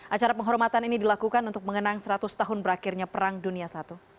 acara penghormatan ini dilakukan untuk mengenang seratus tahun berakhirnya perang dunia i